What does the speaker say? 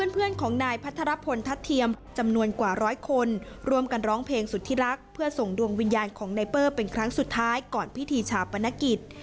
เพื่อนของนายพัทรพลทัศเทียมจำนวนกว่าร้อยคนร่วมกันร้องเพลงสุธิรักษ์เพื่อส่งดวงวิญญาณของไนเปอร์เป็นครั้งสุดท้ายก่อนพิธีชาปนกิจ